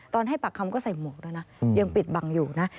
ให้ปากคำก็ใส่หมวกด้วยนะยังปิดบังอยู่นะ